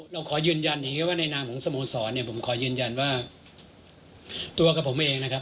เราขอยืนยันอย่างนี้ว่าในนามของสโมสรเนี่ยผมขอยืนยันว่าตัวกับผมเองนะครับ